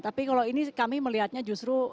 tapi kalau ini kami melihatnya justru